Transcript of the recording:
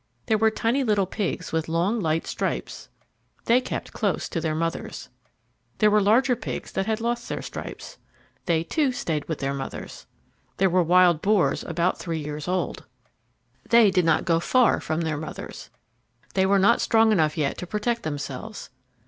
There were tiny little pigs with long, light stripes. They kept close to their mothers. There were larger pigs that had lost their stripes. They, too, stayed with their mothers. There were wild boars about three years old. [Illustration: "There were larger pigs that had lost their stripes"] They did not go far from their mothers. They were not strong enough yet to protect themselves.